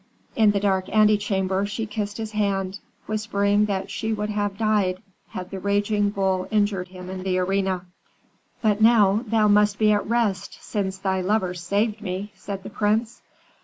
In the dark antechamber she kissed his hand, whispering that she would have died had the raging bull injured him in the arena. "But now thou must be at rest, since thy lover saved me," said the prince.